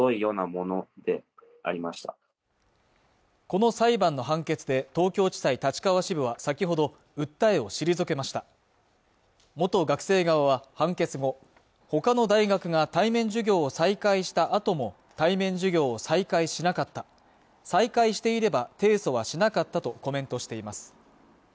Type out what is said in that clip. この裁判の判決で東京地裁立川支部は先ほど訴えを退けました元学生側は判決後ほかの大学が対面授業を再開したあとも対面授業を再開しなかった再開していれば提訴はしなかったとコメントしています